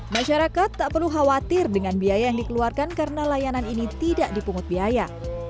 masyarakat tak perlu khawatir dengan biaya yang dikeluarkan karena layanan ini tidak dipungut biaya